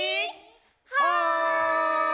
はい！